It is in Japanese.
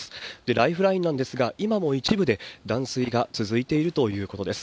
ライフラインなんですが、今も一部で断水が続いているということです。